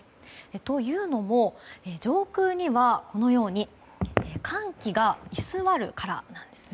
というのも、上空には寒気が居座るからなんですね。